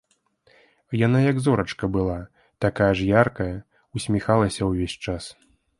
Яна як зорачка была, такая ж яркая, усміхалася ўвесь час.